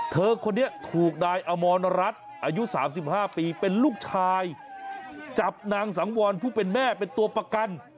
เธอคนนี้ถูกนายอมรรัฐอายุ๓๕ปีเป็นลูกชายจับนางสังวรผู้เป็นแม่เป็นตัวประกัน